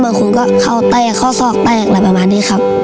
คนก็เข้าแต้ข้อศอกแตกอะไรประมาณนี้ครับ